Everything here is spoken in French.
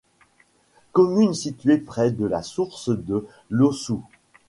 Commune située près de la source de l'Aussoue.